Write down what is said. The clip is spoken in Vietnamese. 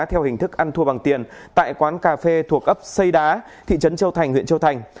theo hình thức ăn thua bằng tiền tại quán cà phê thuộc ấp xây đá thị trấn châu thành huyện châu thành